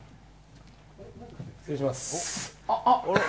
失礼します。